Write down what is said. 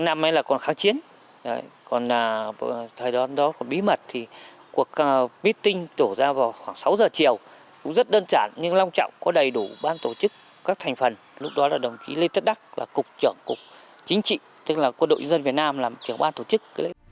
năm nay là còn kháng chiến còn thời đoán đó còn bí mật thì cuộc bí tinh tổ ra vào khoảng sáu giờ chiều cũng rất đơn giản nhưng long trọng có đầy đủ ban tổ chức các thành phần lúc đó là đồng chí lê tất đắc là cục trưởng cục chính trị tức là quân đội dân việt nam làm trưởng ban tổ chức